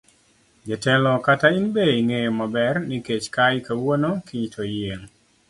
Jatelo kata in be ing'eyo maber ni kech kayi kawuono kiny to iyieng'.